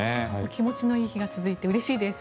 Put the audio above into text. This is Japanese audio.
気持ちのいい日が続いてうれしいです。